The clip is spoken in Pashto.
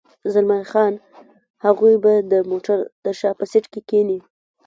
زلمی خان: هغوی به د موټر د شا په سېټ کې کېني.